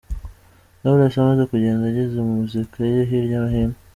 Knowless amaze kugenda ageza muzika ye hirya no hino.